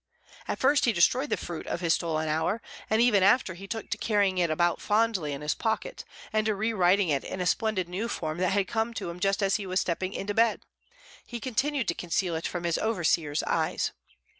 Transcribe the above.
At first he destroyed the fruit of his stolen hour, and even after he took to carrying it about fondly in his pocket, and to rewriting it in a splendid new form that had come to him just as he was stepping into bed, he continued to conceal it from his overseer's eyes.